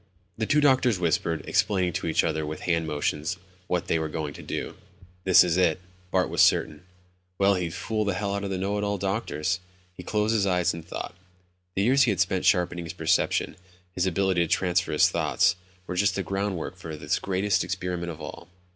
The two doctors whispered, explaining to each other with hand motions what they were going to do. This is it. Bart was certain. Well, he'd fool the hell out of the know it all doctors. He closed his eyes and thought. The years he had spent sharpening his perception, his ability to transfer his thoughts, were just the groundwork for this greatest experiment of all.